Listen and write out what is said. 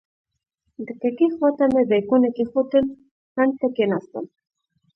د کړکۍ خواته مې بیکونه کېښودل، څنګ ته کېناستم.